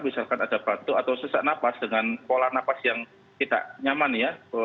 misalkan ada batuk atau sesak napas dengan pola nafas yang tidak nyaman ya